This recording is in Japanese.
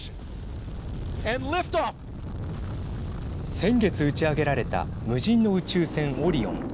先月打ち上げられた無人の宇宙船オリオン。